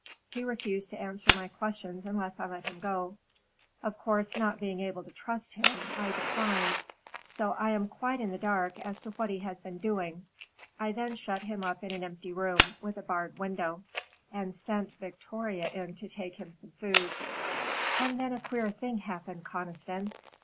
He refused to answer my questions unless I let him go. Of course not being able to trust him, I declined, so I am quite in the dark as to what he has been doing. I then shut him up in an empty room, with a barred window, and sent Victoria in to take him some food. And then a queer thing happened, Conniston.